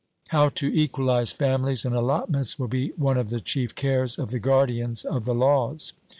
How to equalize families and allotments will be one of the chief cares of the guardians of the laws.